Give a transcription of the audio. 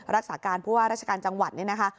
รักษาการผู้ว่าราชการจังหวัดนี่นะคะ